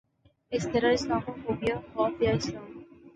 اس طرح Islamophobia خوف یا اسلام